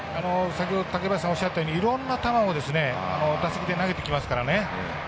先ほど竹林さんおっしゃったようにいろんな球をですね打席で投げてきますからね。